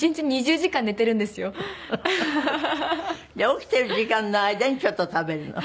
起きてる時間の間にちょっと食べるの？